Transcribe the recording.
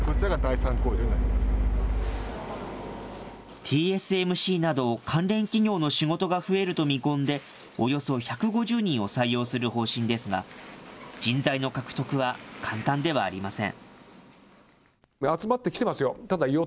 ＴＳＭＣなど、関連企業の仕事が増えると見込んで、およそ１５０人を採用する方針ですが、人材の獲得は簡単ではありません。